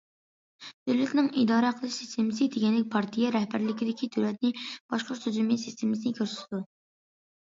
دۆلەتنىڭ ئىدارە قىلىش سىستېمىسى دېگەنلىك پارتىيە رەھبەرلىكىدىكى دۆلەتنى باشقۇرۇش تۈزۈمى سىستېمىسىنى كۆرسىتىدۇ.